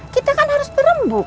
kita kan harus berembuk